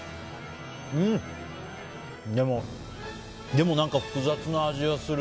でも、何か複雑な味はする。